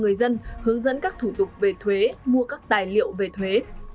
người dân hướng dẫn các thủ tục về thuế mua các tài liệu về thuế